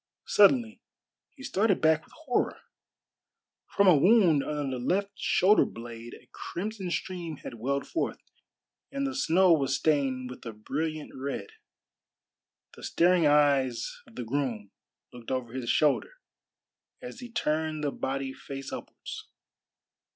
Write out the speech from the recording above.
Suddenly he started back with horror. From a wound under the left shoulder blade a crimson stream had welled forth, and the snow was stained with a brilliant red. The staring eyes of the groom looked over his shoulder as he turned the body face upwards.